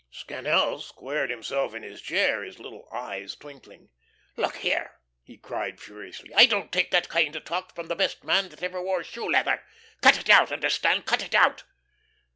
Scannel squared himself in his chair, his little eyes twinkling. "Look here," he cried, furiously, "I don't take that kind of talk from the best man that ever wore shoe leather. Cut it out, understand? Cut it out."